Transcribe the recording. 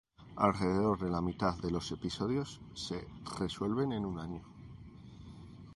Alrededor de la mitad de los episodios se resuelven en un año.